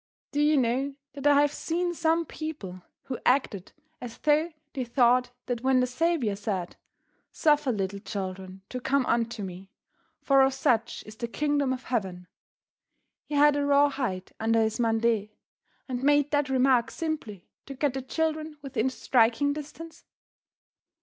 Do you know that I have seen some people who acted as though they thought that when the Savior said "Suffer little children to come unto me, for of such is the kingdom of heaven," he had a raw hide under his mande, and made that remark simply to get the children within striking distance?